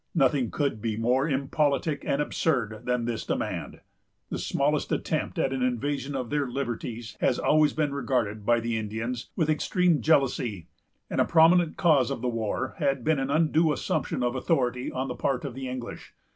Nothing could be more impolitic and absurd than this demand. The smallest attempt at an invasion of their liberties has always been regarded by the Indians with extreme jealousy, and a prominent cause of the war had been an undue assumption of authority on the part of the English.